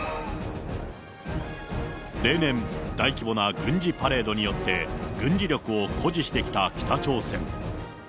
例年、大規模な軍事パレードによって、軍事力を誇示してきた北朝鮮。